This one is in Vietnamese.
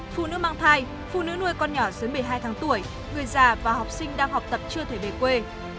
phụ nữ mang thai phụ nữ nuôi con nhỏ dưới một mươi hai tháng tuổi người già và học sinh đang học tập chưa thể về quê